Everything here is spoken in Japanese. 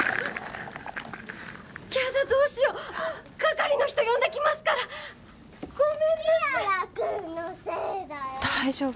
キャーッヤダどうしよう係の人呼んできますからごめんなさい大丈夫？